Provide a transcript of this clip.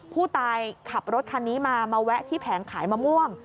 ผู้ตายขับรถคันนี้มามาแวะที่แผงขายมะม่วง